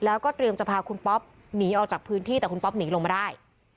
แล้วก็เตรียมจะพาคุณป๊อปหนีออกจากพื้นที่แต่คุณป๊อปหนีลงมาได้